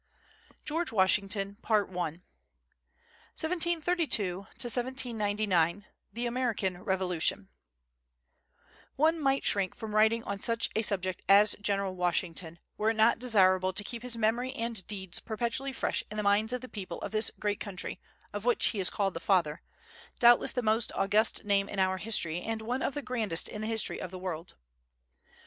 See also Bancroft's "United States." GEORGE WASHINGTON 1732 1799 THE AMERICAN REVOLUTION One might shrink from writing on such a subject as General Washington were it not desirable to keep his memory and deeds perpetually fresh in the minds of the people of this great country, of which he is called the Father, doubtless the most august name in our history, and one of the grandest in the history of the world.